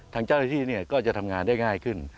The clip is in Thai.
ทางเจ้าหน้าที่ก็จะทำงานได้ง่ายขึ้น